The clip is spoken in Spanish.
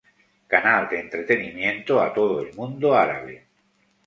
Canal de entretenimiento a todo el mundo árabe.